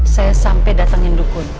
saya sampai datang indukunya